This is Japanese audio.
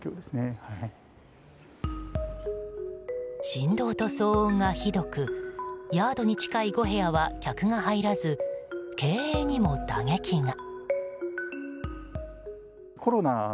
振動と騒音がひどくヤードに近い５部屋は客が入らず経営にも打撃が。